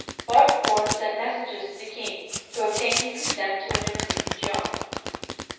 Baudricourt sent messengers to the king, to obtain his consent to an interview with Joan.